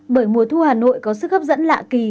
bởi mùa thu hà nội có sức hấp dẫn lạ kỳ